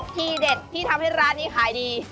ที่เด็ดที่ทำให้ร้านนี้ขายดี